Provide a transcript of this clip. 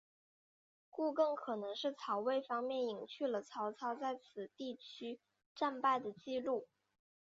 故更可能是曹魏方面隐去了曹操在此地区战败的记录。